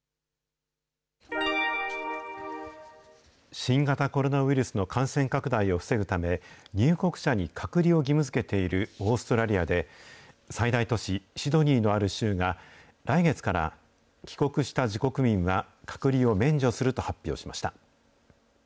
新型コロナウイルスの感染拡大を防ぐため、入国者に隔離を義務づけているオーストラリアで、最大都市シドニーのある州が、来月から帰国した自国民は隔離を免除すると発表しました。